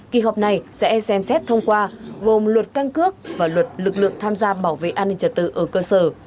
kỳ họp này sẽ xem xét thông qua gồm luật căn cước và luật lực lượng tham gia bảo vệ an ninh trật tự ở cơ sở